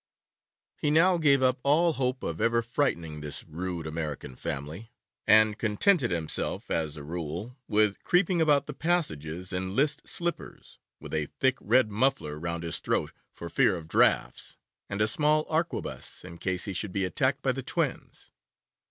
He now gave up all hope of ever frightening this rude American family, and contented himself, as a rule, with creeping about the passages in list slippers, with a thick red muffler round his throat for fear of draughts, and a small arquebuse, in case he should be attacked by the twins.